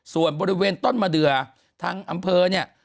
ส่วนบริเวณต้นมะเดือทางอำเภอเนี่ย